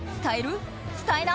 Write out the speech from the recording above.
伝える？